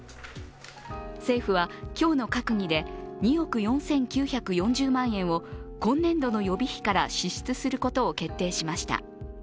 政府は今日の閣議で２億４９４０万円を今年度の予備費から支出することを決定しました。